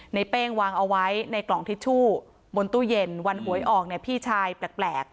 เป้งวางเอาไว้ในกล่องทิชชู่บนตู้เย็นวันหวยออกเนี่ยพี่ชายแปลก